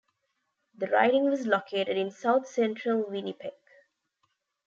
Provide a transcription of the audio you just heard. The riding was located in south-central Winnipeg.